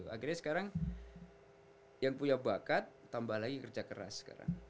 akhirnya sekarang yang punya bakat tambah lagi kerja keras sekarang